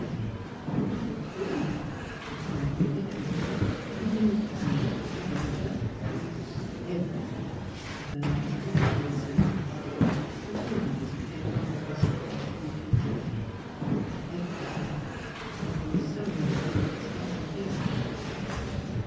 *' But not a roof? " inquired Milly, doubtfully, *' and new flannels for Gran 'mother, and "*' Everything! " afifirmed Mrs. Pettibone, stoutly. Her blue eyes became rather wistful, as she re peated *' Everything! " in a voice so low Milly could scarcely hear it.